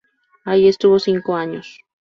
Ahí estuvo cinco años.